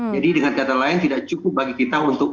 jadi dengan kata lain tidak cukup bagi kita untuk